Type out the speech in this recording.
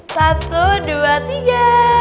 satu dua tiga